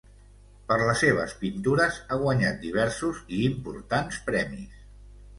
Per les seves pintures ha guanyat diversos i importants premis.